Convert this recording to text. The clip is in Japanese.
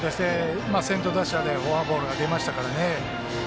先頭打者にフォアボールが出ましたから。